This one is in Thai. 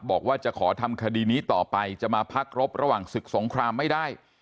บอกว่าจะขอทำคดีนี้ต่อไปจะมาพักรบระหว่างศึกสงครามไม่ได้